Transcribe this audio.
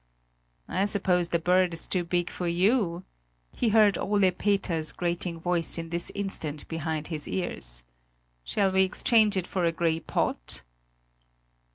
"I suppose the bird is too big for you," he heard Ole Peters's grating voice in this instant behind his ears; "shall we exchange it for a grey pot?"